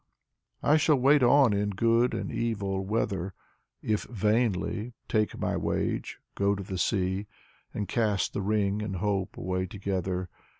I shall wait on in good and evil weather. If vainly, take my wage, go to the sea And cast the ring and hope away together.